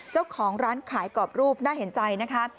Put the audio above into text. เจ้าของร้านขายกรอบรูปน่าเห็นใจนะคะ